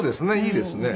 いいですね。